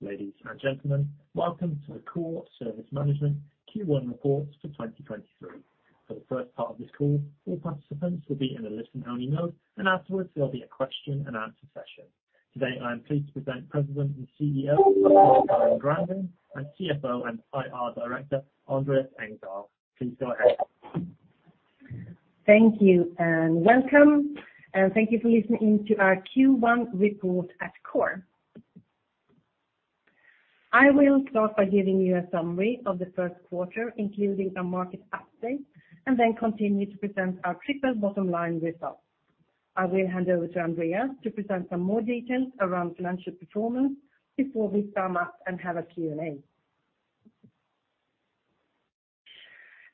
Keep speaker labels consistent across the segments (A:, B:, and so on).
A: Ladies and gentlemen, welcome to the Coor Service Management Q1 report for 2023. For the first part of this call, all participants will be in a listen-only mode. Afterwards, there'll be a question and answer session. Today, I am pleased to present President and CEO, AnnaCarin Grandin, and CFO and IR Director, Andreas Engdahl. Please go ahead.
B: Thank you and welcome. Thank you for listening to our Q1 report at Coor. I will start by giving you a summary of the first quarter, including a market update, and then continue to present our triple bottom line results. I will hand over to Andreas to present some more details around financial performance before we sum up and have a Q&A.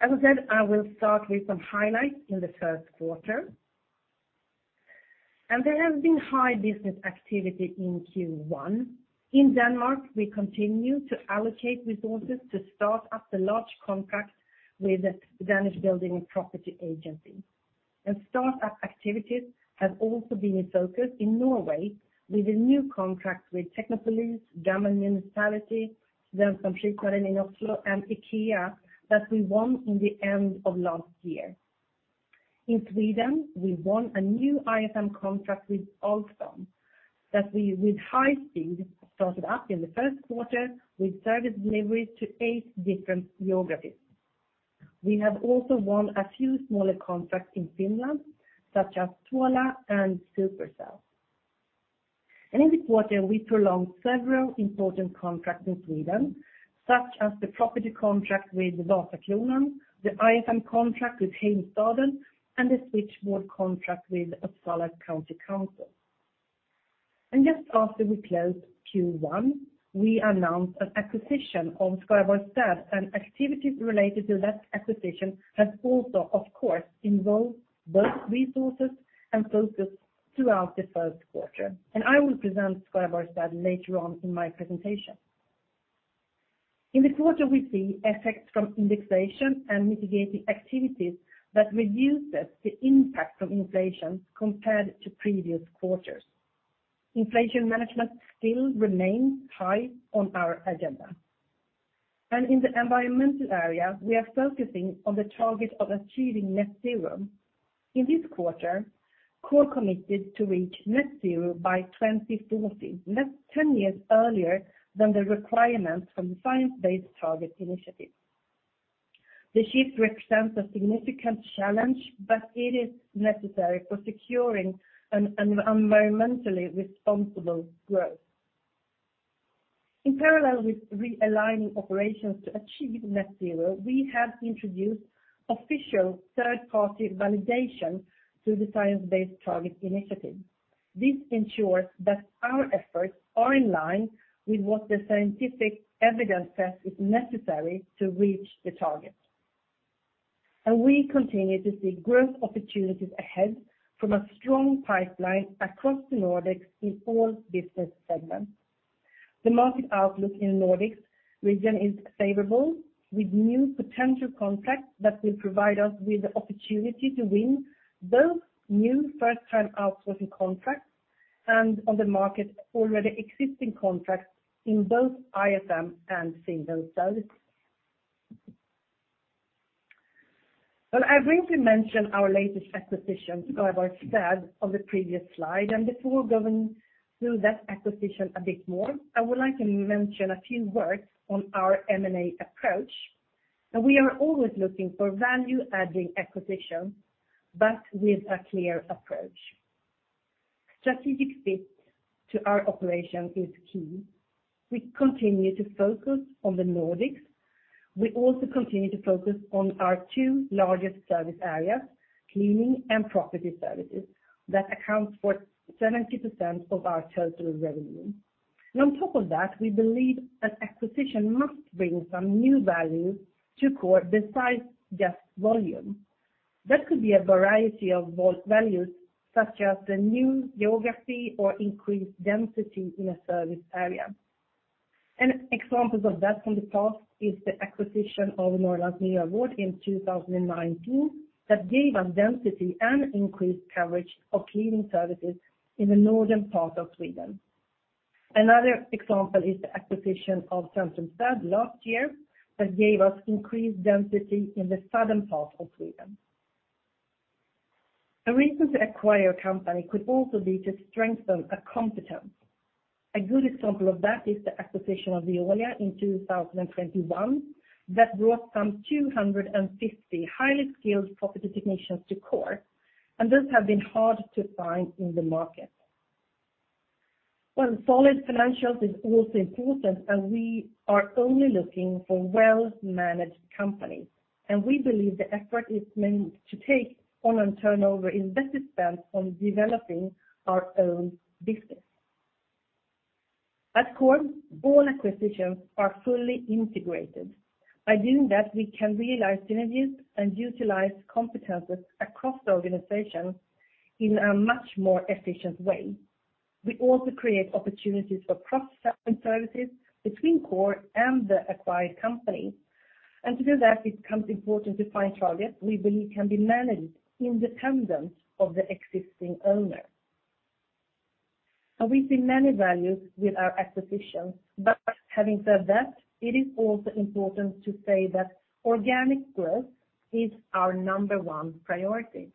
B: As I said, I will start with some highlights in the first quarter. There has been high business activity in Q1. In Denmark, we continue to allocate resources to start up the large contract with Danish Building and Property Agency. Startup activities have also been a focus in Norway with a new contract with Technopolis, Gjøvik Municipality. I briefly mentioned our latest acquisition, Skaraborgs Städ, on the previous slide. Before going through that acquisition a bit more, I would like to mention a few words on our M&A approach. We are always looking for value-adding acquisitions, but with a clear approach. Strategic fit to our operation is key. We continue to focus on the Nordics. We also continue to focus on our 2 largest service areas, cleaning and property services, that accounts for 70% of our total revenue. On top of that, we believe an acquisition must bring some new value to Coor besides just volume. That could be a variety of both values, such as the new geography or increased density in a service area. An example of that from the past is the acquisition of Norrlands Miljövård in 2019 that gave us density and increased coverage of cleaning services in the northern part of Sweden. Another example is the acquisition of Skaraborgs Städ last year that gave us increased density in the southern part of Sweden. A reason to acquire a company could also be to strengthen a competence. A good example of that is the acquisition of Veolia in 2021 that brought some 250 highly skilled property technicians to Coor, and those have been hard to find in the market. Well, solid financials is also important, and we are only looking for well-managed companies. We believe the effort is meant to take on and turnover invested spend on developing our own business. At Coor, all acquisitions are fully integrated. By doing that, we can realize synergies and utilize competencies across the organization in a much more efficient way. We also create opportunities for cross-selling services between Coor and the acquired company. To do that, it becomes important to find targets we believe can be managed independent of the existing owner. We see many values with our acquisitions. Having said that, it is also important to say that organic growth is our number one priority.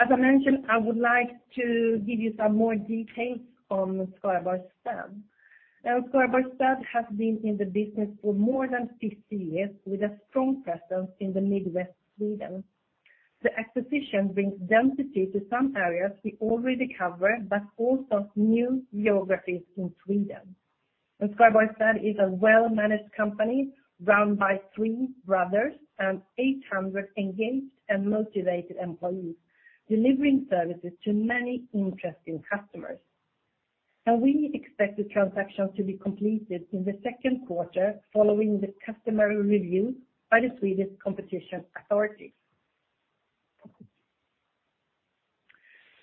B: As I mentioned, I would like to give you some more details on Skaraborgs Städ. Skaraborgs Städ has been in the business for more than 50 years with a strong presence in the mid Sweden. The acquisition brings density to some areas we already cover, but also new geographies in Sweden. Skaraborgs Städ is a well-managed company run by three brothers and 800 engaged and motivated employees, delivering services to many interesting customers. We expect the transaction to be completed in the second quarter following the customary review by the Swedish competition authorities.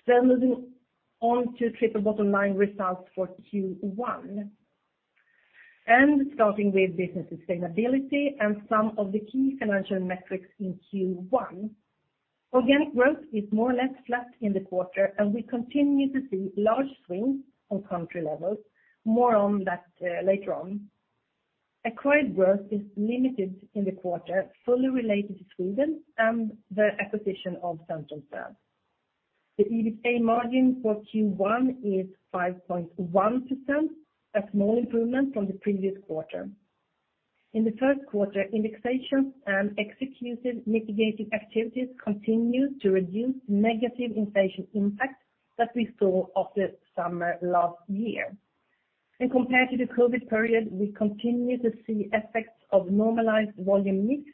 B: Moving on to triple bottom line results for Q1. Starting with business sustainability and some of the key financial metrics in Q1. Organic growth is more or less flat in the quarter, and we continue to see large swings on country levels. More on that later on. Acquired growth is limited in the quarter, fully related to Sweden and the acquisition of Skaraborgs Städ. The EBITDA margin for Q1 is 5.1%, a small improvement from the previous quarter. In the first quarter, indexation and executed mitigating activities continue to reduce negative inflation impact that we saw of the summer last year. Compared to the COVID period, we continue to see effects of normalized volume mix,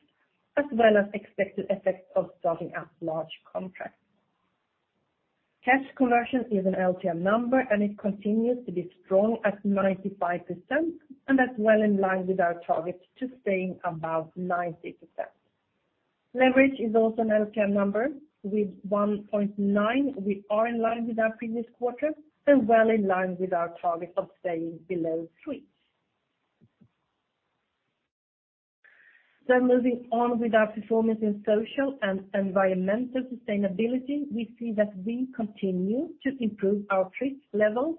B: as well as expected effects of starting up large contracts. Cash conversion is an LTM number, it continues to be strong at 95%, and that's well in line with our target to staying above 90%. Leverage is also an LTM number. With 1.9, we are in line with our previous quarter and well in line with our target of staying below 3. Moving on with our performance in social and environmental sustainability, we see that we continue to improve our TRIR level.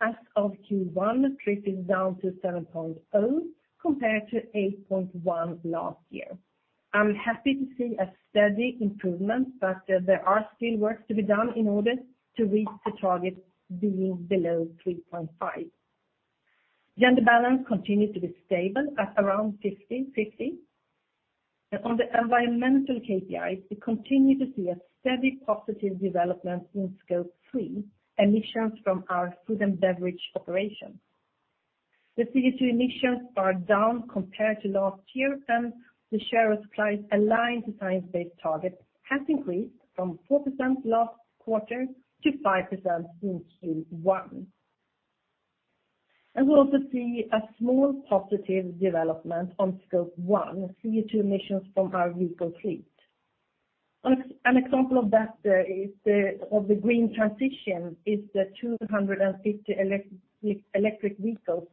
B: As of Q1, TRIR is down to 7.0 compared to 8.1 last year. I'm happy to see a steady improvement, but there are still work to be done in order to reach the target being below 3.5. Gender balance continues to be stable at around 50/50. On the environmental KPIs, we continue to see a steady positive development in Scope 3 emissions from our food and beverage operations. The CO2 emissions are down compared to last year, and the share of clients aligned to science-based targets has increased from 4% last quarter to 5% in Q1. We also see a small positive development on Scope 1 CO2 emissions from our vehicle fleet. An example of that of the green transition is the 250 electric vehicles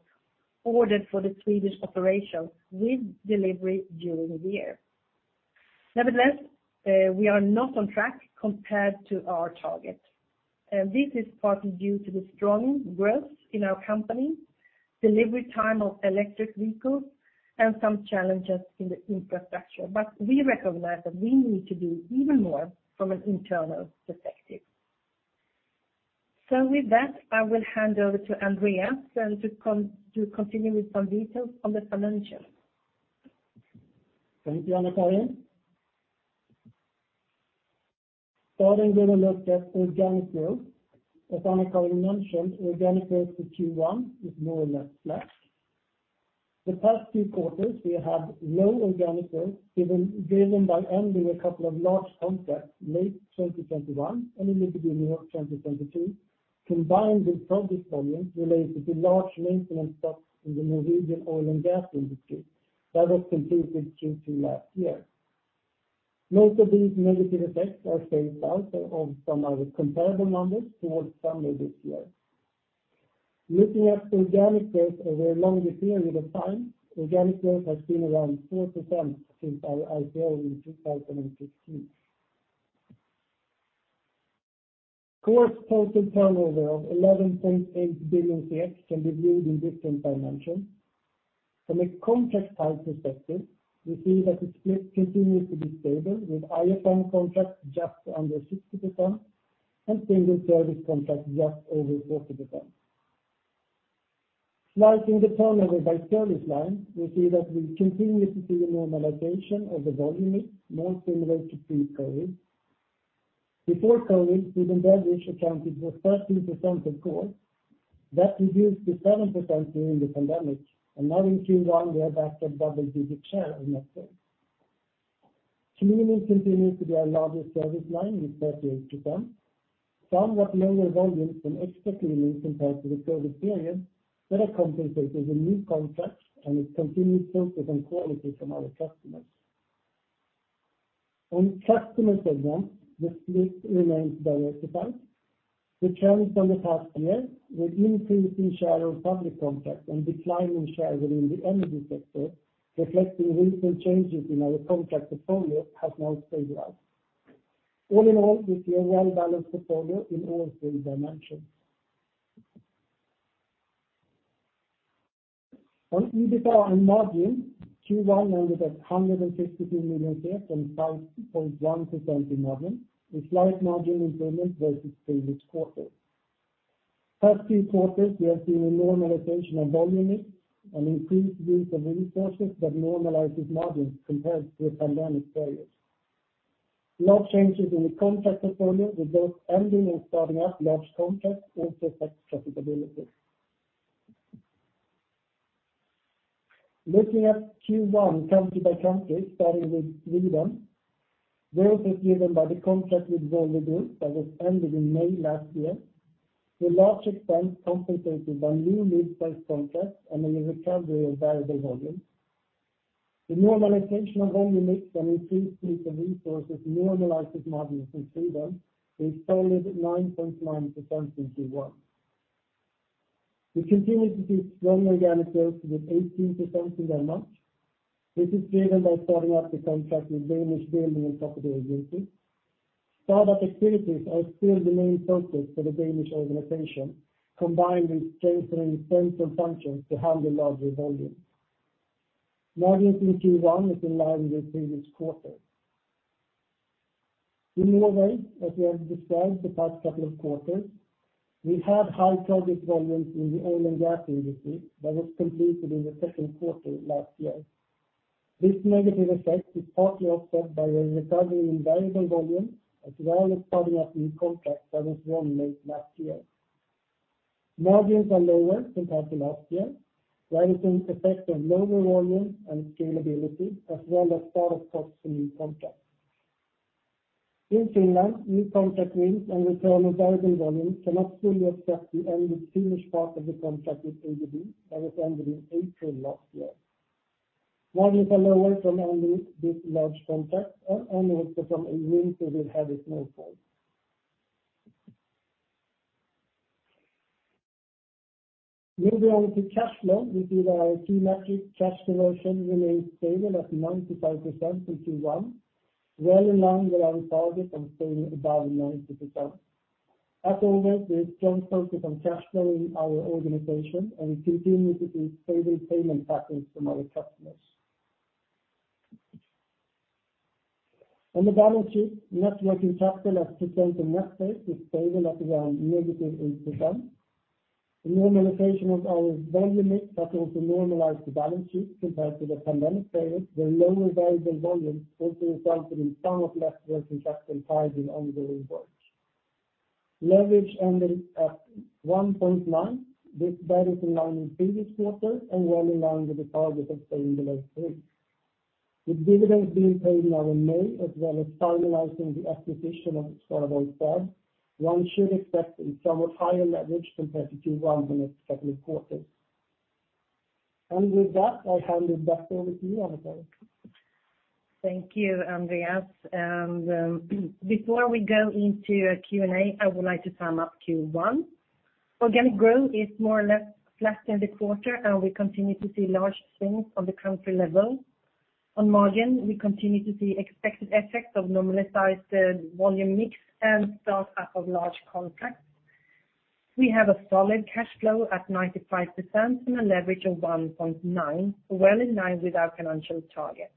B: ordered for the Swedish operations with delivery during the year. Nevertheless, we are not on track compared to our target. This is partly due to the strong growth in our company, delivery time of electric vehicles, and some challenges in the infrastructure. We recognize that we need to do even more from an internal perspective. With that, I will hand over to Andreas to continue with some details on the financials.
C: Thank you, AnnaCarin. With a look at organic growth. As Anna-Karin mentioned, organic growth for Q1 is more or less flat. The past two quarters, we have low organic growth, given by ending a couple of large contracts late 2021 and in the beginning of 2022, combined with project volumes related to large maintenance stops in the Norwegian oil and gas industry that was completed Q2 last year. Most of these negative effects are phased out of some of our comparable numbers towards summer this year. Looking at organic growth over a longer period of time, organic growth has been around 4% since our IPO in 2016. Coor's total turnover of 11.8 billion can be viewed in different dimensions. From a contract type perspective, we see that the split continues to be stable with IFM contracts just under 60% and single service contracts just over 40%. Slicing the turnover by service line, we see that we continue to see a normalization of the volume mix more similar to pre-COVID. Before COVID, food and beverage accounted for 13% of Coor. That reduced to 7% during the pandemic. Now in Q1, we are back at double-digit share in that segment. Cleaning continues to be our largest service line with 38%. Somewhat lower volumes than expected compared to the COVID period that are compensated with new contracts and a continued focus on quality from our customers. On customer segment, the split remains diversified. Returns from the past year with increase in share of public contracts and decline in share within the energy sector, reflecting recent changes in our contract portfolio has now stabilized. All in all, we see a well-balanced portfolio in all three dimensions. On EBITDA and margin, Q1 ended at 162 million and 5.1% in margin. A slight margin improvement versus previous quarter. Past few quarters, we have seen a normalization of volume mix, an increased use of resources that normalizes margins compared to a pandemic period. No changes in the contract portfolio, with both ending and starting up large contracts also affects profitability. Looking at Q1 country by country, starting with Sweden. Growth is driven by the contract with Volvo Group that was ended in May last year, to a large extent compensated by new lead-based contracts and a recovery of variable volumes. The normalization of volume mix and increased use of resources normalizes margins in Sweden with a solid 9.9% in Q1. We continue to see strong organic growth with 18% in Denmark. This is driven by starting up the contract with Danish Building and Property Agency. Startup activities are still the main focus for the Danish organization, combined with strengthening central functions to handle larger volumes. Margin in Q1 is in line with the previous quarter. In Norway, as we have described the past couple of quarters, we had high project volumes in the oil and gas industry that was completed in the second quarter last year. This negative effect is partly offset by a recovery in variable volumes as well as starting up new contracts that was won late last year. Margins are lower compared to last year, rising effect on lower volume and scalability as well as start-up costs for new contracts. In Finland, new contract wins and return of variable volumes cannot fully offset the ended Finnish part of the contract with ABB that was ended in April last year. Margins are lower from ending this large contract and also from a winter with heavy snowfall. Moving on to cash flow, we see that our key metric cash conversion remains stable at 95% in Q1, well in line with our target of staying above 90%. As always, we have strong focus on cash flow in our organization. We continue to see stable payment patterns from our customers. On the balance sheet, net working capital as percent of net sales is stable at around negative 8%. The normalization of our volume mix has also normalized the balance sheet compared to the pandemic period, where lower variable volumes also resulted in somewhat less working capital tied in ongoing work. Leverage ended at 1.9. This is in line with previous quarter and well in line with the target of staying below 3. With dividends being paid now in May as well as finalizing the acquisition of Skaraborgs Städ, one should expect a somewhat higher leverage compared to Q1 in the second quarter. With that, I hand it back over to you, AnnaCarin.
B: Thank you, Andreas. Before we go into Q&A, I would like to sum up Q1. Organic growth is more or less flat in the quarter, and we continue to see large swings on the country level. On margin, we continue to see expected effects of normalized volume mix and start-up of large contracts. We have a solid cash flow at 95% and a leverage of 1.9, well in line with our financial targets.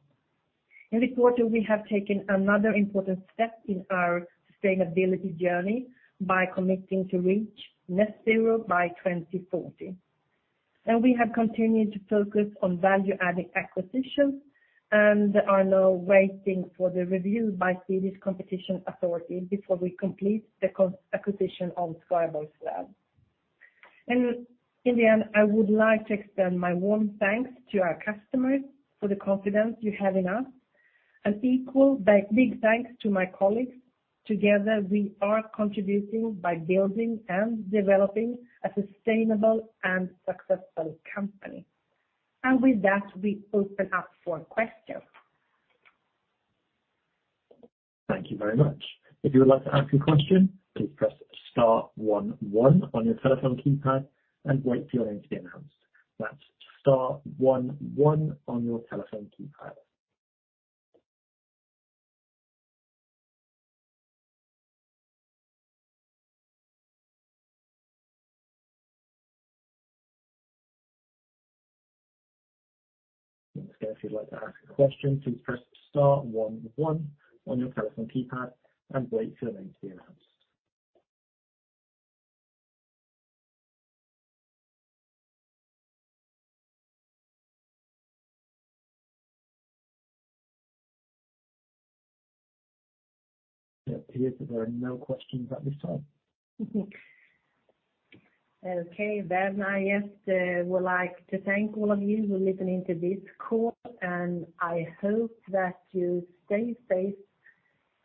B: In this quarter, we have taken another important step in our sustainability journey by committing to reach net zero by 2040. We have continued to focus on value-adding acquisitions and are now waiting for the review by Swedish Competition Authority before we complete the acquisition of Skaraborgs Städ. In the end, I would like to extend my warm thanks to our customers for the confidence you have in us. An equal big thanks to my colleagues. Together, we are contributing by building and developing a sustainable and successful company. With that, we open up for questions.
A: Thank you very much. If you would like to ask a question, please press star one one on your telephone keypad and wait for your name to be announced. That's star one one on your telephone keypad. Once again, if you'd like to ask a question, please press star one one on your telephone keypad and wait for your name to be announced. It appears that there are no questions at this time.
B: Okay, I just would like to thank all of you who listened into this call, and I hope that you stay safe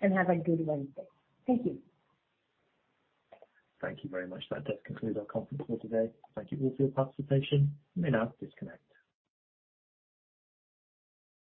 B: and have a good Wednesday. Thank you.
A: Thank you very much. That does conclude our conference call today. Thank you all for your participation. You may now disconnect.